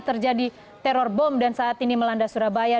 terjadi teror bom dan saat ini melanda surabaya